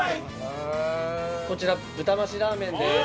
こちら豚増しラーメンです。